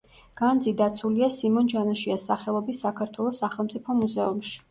განძი დაცულია სიმონ ჯანაშიას სახელობის საქართველოს სახელმწიფო მუზეუმში.